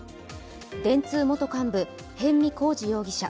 電通元幹部、逸見晃治容疑者。